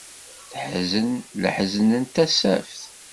Teḥzen leḥzen n tasaft.